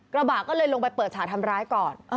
กระบะก็เลยลงไปเปิดฉากทำร้ายก่อน